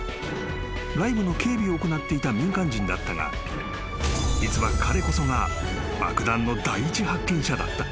［ライブの警備を行っていた民間人だったが実は彼こそが爆弾の第一発見者だった］